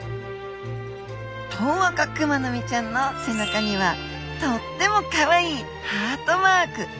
トウアカクマノミちゃんの背中にはとってもかわいいハートマーク！